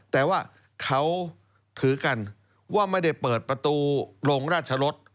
แต่ว่าเขาถือกันว่าไม่ได้เปิดประตูลงราชรส